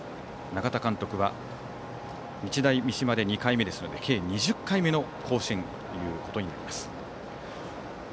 永田監督は日大三島で２回目ですので計２０回目の甲子園ということになります。